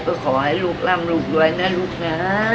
ก็ขอให้ลูกร่ำลูกด้วยนะลูกนะ